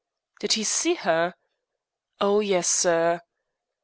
"Did he see her?" "Oh yes, sir."